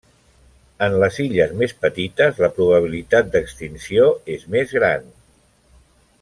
En les illes més petites la probabilitat d'extinció és més gran.